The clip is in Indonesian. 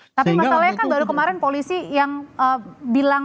tapi masalahnya kan baru kemarin polisi yang bilang